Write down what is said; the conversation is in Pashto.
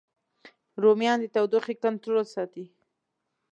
رومیان د تودوخې کنټرول ساتي